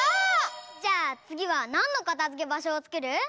じゃあつぎはなんのかたづけばしょをつくる？